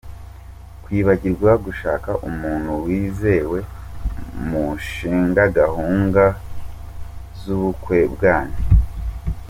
Kwibagirwa gushaka umuntu wizewe mushinga gahunga z’ubukwe bwanyu.